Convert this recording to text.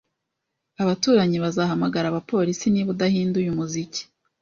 Abaturanyi bazahamagara abapolisi niba udahinduye umuziki.